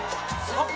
あっ！